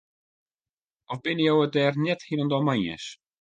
Of binne jo it dêr net hielendal mei iens?